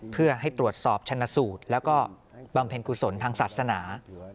เพื่อให้ตรวจสอบชนะสูตรแล้วก็บำเพ็ญกุศลทางศาสนา